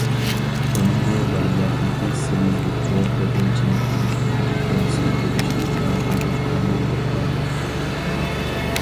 بۇنىڭدا بالىلاردىكى سېمىزلىك ۋە بەدەن چېنىقتۇرۇشنىڭ يېتەرسىز بولۇشى ھەل قىلغۇچ ئامىل دەپ قارالماقتا.